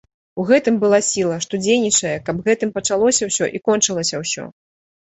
У гэтым была сіла, што дзейнічае, каб гэтым пачалося ўсё і кончылася ўсё.